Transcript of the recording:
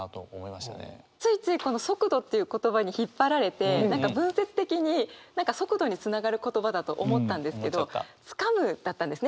ついついこの「速度」という言葉に引っ張られて何か文節的に「速度」につながる言葉だと思ったんですけど「掴む」だったんですね。